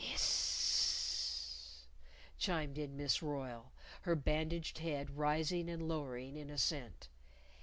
"Hiss s s s!" chimed in Miss Royle, her bandaged head rising and lowering in assent.